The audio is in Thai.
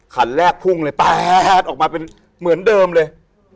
คันแรกพุ่งเลยแป๊ดออกมาเป็นเหมือนเดิมเลย